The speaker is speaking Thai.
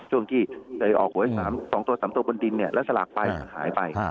ช่วงที่เจ๊ออกไว้สามสองตัวสามตัวบนดินเนี่ยแล้วสลากไปหายไป